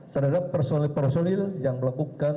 terhadap personil personil yang melakukan